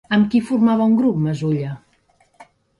Amb qui formava un grup Mezulla?